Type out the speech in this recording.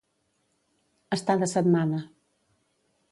Estar de setmana.